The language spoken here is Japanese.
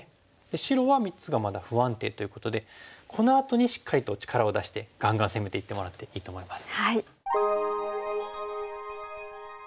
白は３つがまだ不安定ということでこのあとにしっかりと力を出してガンガン攻めていってもらっていいと思います。